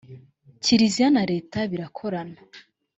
kiliziya na leta birakorana